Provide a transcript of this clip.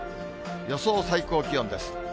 予想最高気温です。